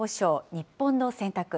日本の選択。